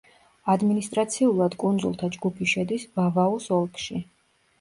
ადმინისტრაციულად კუნძულთა ჯგუფი შედის ვავაუს ოლქში.